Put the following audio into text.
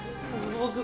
僕